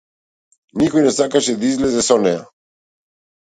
Никој не сакаше да излезе со неа.